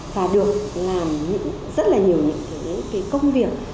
và được làm rất là nhiều những cái công việc